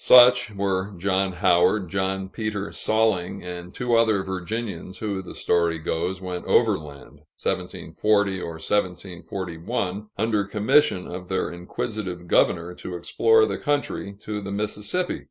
Such were John Howard, John Peter Salling, and two other Virginians who, the story goes, went overland (1740 or 1741) under commission of their inquisitive governor, to explore the country to the Mississippi.